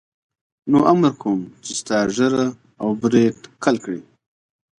نو امر کوم چې ستا ږیره او برېت کل کړي.